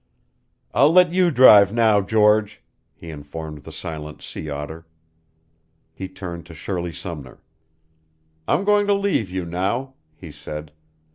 "I'll let you drive now, George," he informed the silent Sea Otter. He turned to Shirley Sumner. "I'm going to leave you now," he said.